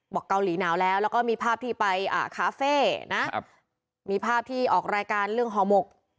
เกาหลีหนาวแล้วแล้วก็มีภาพที่ไปคาเฟ่นะมีภาพที่ออกรายการเรื่องห่อหมก